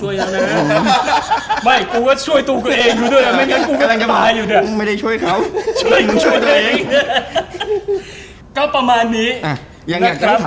โว้ยถ้าบอลปลอดเสมอไปเจอเพราะปลอด